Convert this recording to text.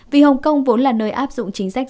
vì hồng kông vốn là nơi áp dụng chính sách